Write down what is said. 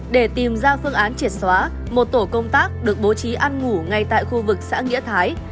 để tìm ra phương án triệt xóa một tổ công tác được bố trí ăn ngủ ngay tại khu vực xã nghĩa thái